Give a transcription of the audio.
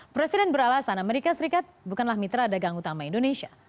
presiden beralasan as bukanlah mitra dagang utama indonesia